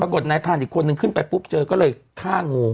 นายพันธุ์อีกคนนึงขึ้นไปปุ๊บเจอก็เลยฆ่างู